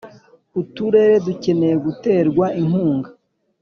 uturere dukeneye guterwa inkunga